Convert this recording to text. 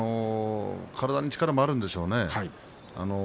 体に力もあるんでしょうね。